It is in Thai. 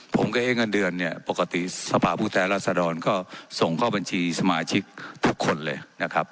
ผมก็เอ๊ะเงินเดือนเนี่ยปกติสภาพผู้แทนรัศดรก็ส่งเข้าบัญชีสมาชิกทุกคนเลยนะครับ